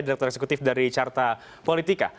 direktur eksekutif dari carta politika